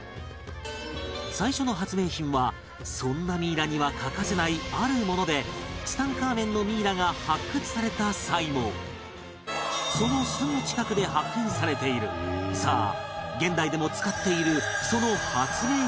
最初の発明品はそんなミイラには欠かせないあるものでツタンカーメンのミイラが発掘された際もそのすぐ近くで発見されているさあ、現代でも使っているその発明品とは、なんなのか？